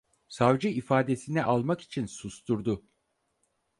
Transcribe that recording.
Savcı ifadesini almak için susturdu.